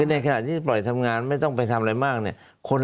ในขณะที่ปล่อยทำงานไม่ต้องไปทำอะไรมากเนี่ย